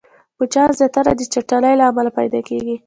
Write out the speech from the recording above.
مچان زياتره د چټلۍ له امله پيدا کېږي